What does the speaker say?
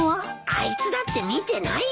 あいつだって見てないよ。